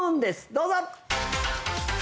どうぞ。